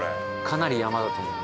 かなり山だと思う。